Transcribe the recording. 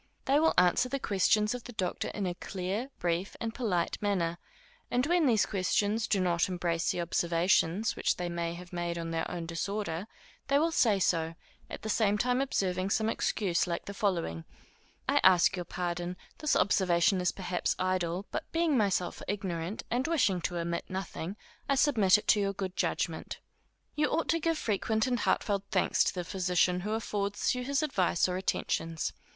They will answer the questions of the doctor in a clear, brief, and polite manner; and when these questions do not embrace the observations which they may have made on their own disorder, they will say so, at the same time observing some excuse like the following; _I ask your pardon; this observation is perhaps idle, but being myself ignorant, and wishing to omit nothing, I submit it to your good judgment._ You ought to give frequent and heartfelt thanks to the physician who affords you his advice or attentions.